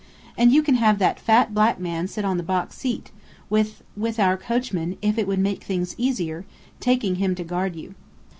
And you can have that fat black man sit on the box seat, with with our coachman, if it would make things easier, taking him to guard you.